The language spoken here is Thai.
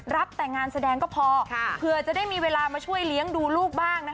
แต่งานแสดงก็พอเผื่อจะได้มีเวลามาช่วยเลี้ยงดูลูกบ้าง